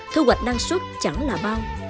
thư hoạch năng suất chẳng là bao